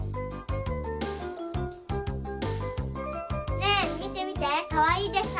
ねえみてみてかわいいでしょ。